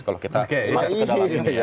kalau kita masuk ke dalam ini